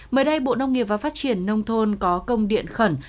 mới đây bộ nông nghiệp và phát triển nông thôn có công điện khẩn